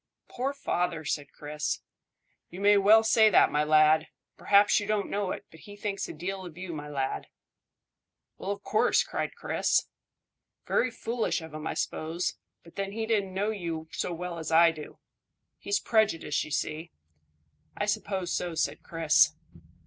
"Poor father!" said Chris. "You may well say that, my lad. P'r'aps you don't know it, but he thinks a deal of you, my lad." "Why, of course," cried Chris. "Very foolish of him, I suppose, but then he don't know you so well as I do. He's prejudiced, you see." "I suppose so," said Chris.